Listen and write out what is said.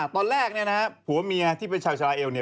ตอนแรกเนี่ยนะฮะผัวเมียที่เป็นชาวชาลาเอวเนี่ย